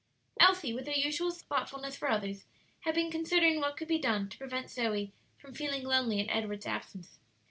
Elsie, with her usual thoughtfulness for others, had been considering what could be done to prevent Zoe from feeling lonely in Edward's absence.